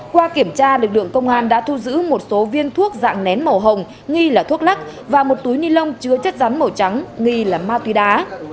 qua kiểm tra lực lượng công an đã thu giữ một số viên thuốc dạng nén màu hồng nghi là thuốc lắc và một túi ni lông chứa chất rắn màu trắng nghi là ma túy đá